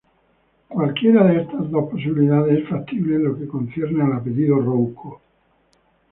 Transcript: Cualquiera de estas dos posibilidades es factible en lo que concierne al apellido Rouco.